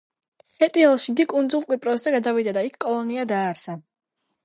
ხეტიალში იგი კუნძულ კვიპროსზე გადავიდა და იქ კოლონია დააარსა.